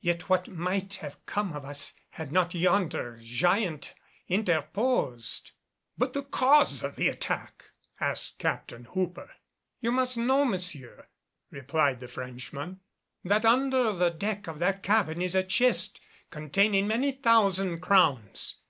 Yet, what might have come of us had not yonder giant interposed " "But the cause of this attack?" asked Captain Hooper. "You must know, Monsieur," replied the Frenchman, "that under the deck of that cabin is a chest containing many thousand crowns.